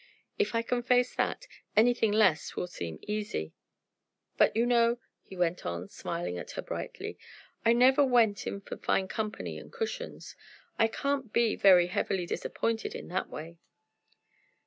If I can face that, anything less will seem easy. But you know," he went on, smiling at her brightly, "I never went in for fine company and cushions. I can't be very heavily disappointed in that way."